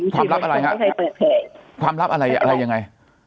ความลับอะไรครับความลับอะไรยังไง